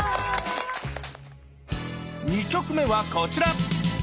２曲目はこちら！